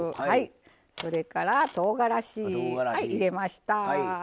それから、とうがらし入れました。